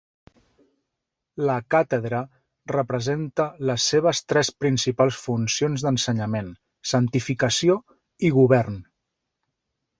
La Càtedra representa les seves tres principals funcions d'ensenyament, santificació i govern.